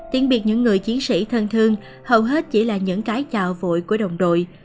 tiếng biệt những người chiến sĩ thân thương hầu hết chỉ là những cái chào vội của đồng đội